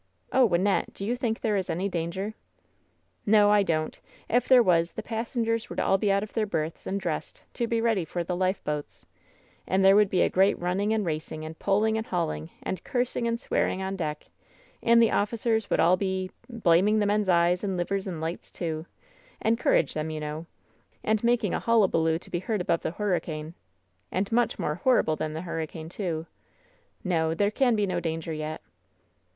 "Oh, Wynnette, do you think there is any danger?'' "No, I don't. If there was, the passengers would all be out of their berths and dressed, to be ready for the lifeboats. And there would be a great running and rac ing, and puUing and hauling, and cursing and swearing on deck; and the officers would all be — blaming the men's eyes, and livers, and lights, to — encourage them, you know. Ajid making a hullabaloo to be heard above the hurricane. And much more horrible than the hurri cane, too. No; there can be no danger yet."